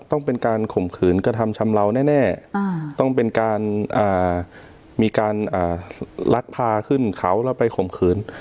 ต้องเป็นการข่มขืนกระทำชำเลาแน่ต้องเป็นการมีการลักพาขึ้นเขาแล้วไปข่มขืน